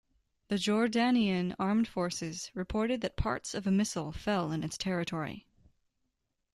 The Jordanian armed forces reported that parts of a missile fell in its territory.